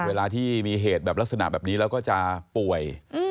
เวลาที่มีเหตุแบบลักษณะแบบนี้แล้วก็จะป่วย